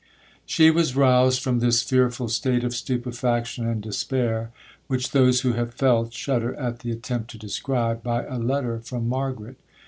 'She was roused from this fearful state of stupefaction and despair, which those who have felt shudder at the attempt to describe, by a letter from Margaret.